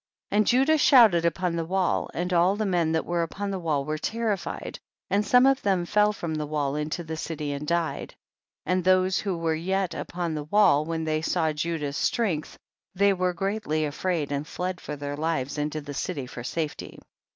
30. And Judah shouted upon the wall, and all the men that were upon the wall were terrified, and some of them fell from the wall into the city and died, and those who were yet upon the wall, when they saw Judah's strength, they were greatly afraid and fled for their lives into the city for safety.